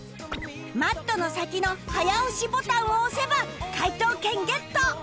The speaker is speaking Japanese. マットの先の早押しボタンを押せば解答権ゲット！